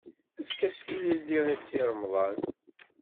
Efk-as tilelli i Si Remḍan!